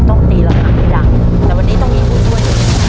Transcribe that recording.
ปฏิหรับอัธิรักษ์แต่วันนี้ต้องมีผู้ช่วย